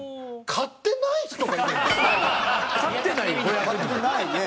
買ってないね。